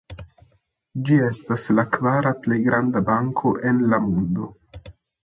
Ĝi estas la kvara plej granda banko en la mondo.